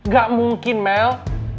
gak mungkin mel